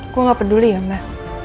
gue gak peduli ya mbak